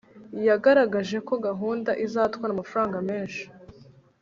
yagaragaje ko gahunda izatwara amafaranga menshi